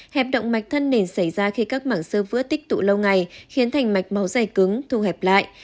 hẹp động mạch thân nền xảy ra khi các mảng sơ vớt tích tụ lâu ngày khiến thành mạch máu dày cứng thu hẹp lại